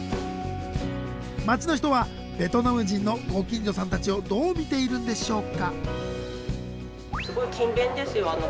街の人はベトナム人のご近所さんたちをどう見ているんでしょうか？